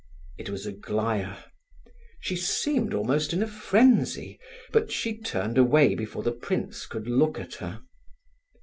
It was Aglaya. She seemed almost in a frenzy, but she turned away before the prince could look at her.